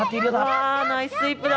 わー、ナイススイープだ。